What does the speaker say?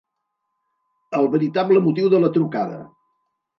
El veritable motiu de la trucada.